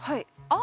あ。